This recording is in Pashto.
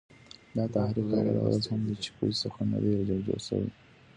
دا تحریک اوله ورځ هم د چوکیو څخه نه دی را جوړ سوی